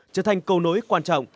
trở thành câu nối quan trọng